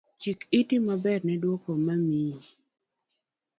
Chik iti maber ne dwoko mimiyi